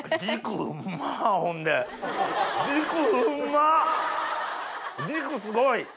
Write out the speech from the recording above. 軸すごい！